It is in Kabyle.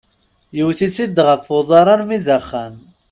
Yewwet-itt-id ɣef uḍar almi d axxam.